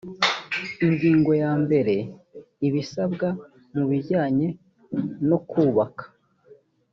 ingingo yambere ibisabwa mu bijyanye no kubaka